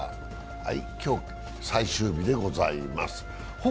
今日、最終日でございます。